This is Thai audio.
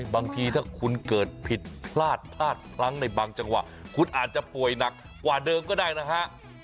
บางทีถ้าคุณเกิดผิดพลาดพลาดพลั้งในบางจังหวะคุณอาจจะป่วยหนักกว่าเดิมก็ได้นะฮะ